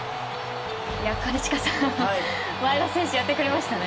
兼近さん前田選手、やってくれましたね。